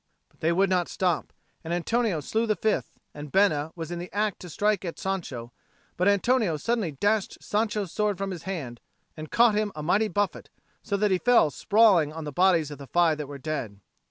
But they would not stop, and Antonio slew the fifth, and Bena was in the act to strike at Sancho, but Antonio suddenly dashed Sancho's sword from his hand, and caught him a mighty buffet, so that he fell sprawling on the bodies of the five that were dead.